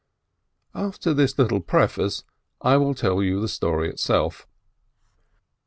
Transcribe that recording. After this little preface, I will tell you the story itself.